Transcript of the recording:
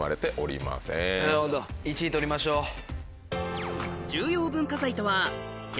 １位取りましょう。